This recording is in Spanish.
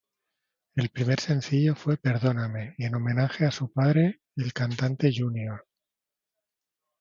El primer sencillo fue "Perdóname", en homenaje a su padre, el cantante Junior.